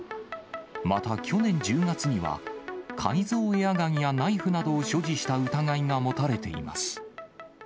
また、去年１０月には改造エアガンやナイフなどを所持した疑いが持たれています。